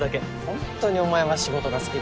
ホントにお前は仕事が好きだな。